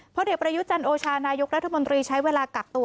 เด็กประยุจันโอชานายกรัฐมนตรีใช้เวลากักตัว